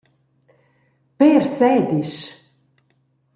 Pér sedisch!